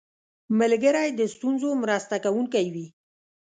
ملګری د ستونزو مرسته کوونکی وي